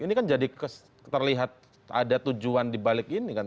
ini kan jadi terlihat ada tujuan di balik ini